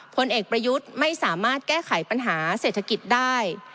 ผลเอกประยุทธ์ไม่สามารถแก้ไขปัญหาเศรษฐกิจได้